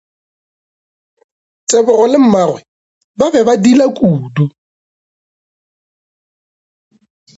Tebogo le mmagwe ba be ba diila kudu.